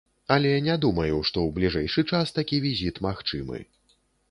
Але не думаю, што ў бліжэйшы час такі візіт магчымы.